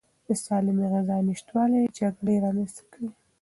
د سالمې غذا نشتوالی جګړې رامنځته کوي.